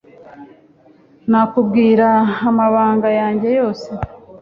nakubwira amabanga yanjye yose